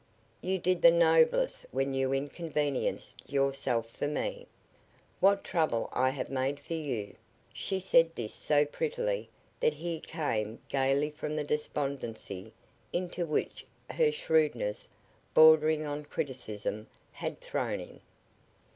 You did the noblest when you inconvenienced yourself for me. What trouble I have made for you." She said this so prettily that he came gaily from the despondency into which her shrewdness, bordering on criticism, had thrown him.